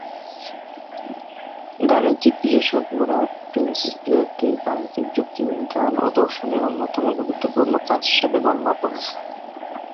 গাণিতিক বিশেষজ্ঞরা "প্রিন্সিপিয়া"-কে গাণিতিক যুক্তিবিজ্ঞান ও দর্শনের অন্যতম গুরুত্বপূর্ণ কাজ হিসেবে গণ্য করেন।